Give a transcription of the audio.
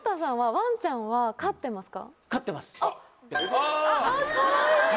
ワンちゃん飼ってますか？